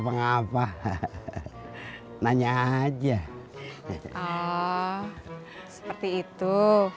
oh seperti itu